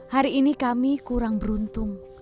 hari ini kami kurang beruntung